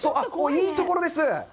いいところです。